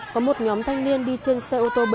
có một nhóm thanh niên đi trên xe ô tô bảy